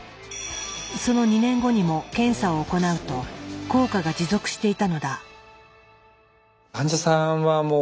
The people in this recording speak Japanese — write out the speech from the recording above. その２年後にも検査を行うと効果が持続していたのだ。